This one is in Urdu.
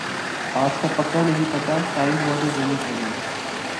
آج کا پکا نہیں پتا، ٹائم ہوا تو زرور کھیلیں گے۔